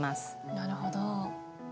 なるほど。